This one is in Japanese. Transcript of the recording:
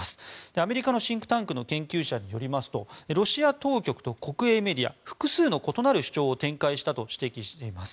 アメリカのシンクタンクの研究者によりますとロシア当局と国営メディア複数の異なる主張を展開したと指摘しています。